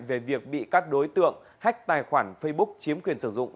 về việc bị các đối tượng hách tài khoản facebook chiếm quyền sử dụng